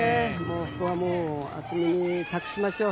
ここは渥美に託しましょう。